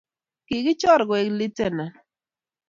Kikichoor koek litenan